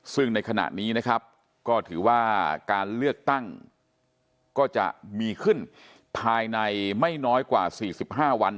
ซึ่งในขณะนี้นะครับก็ถือว่าการเลือกตั้งก็จะมีขึ้นภายในไม่น้อยกว่า๔๕วัน